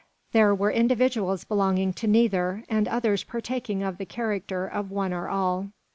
There were individuals belonging to neither, and others partaking of the character of one or all.